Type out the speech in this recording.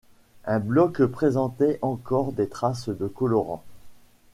Un bloc présentait encore des traces de colorant.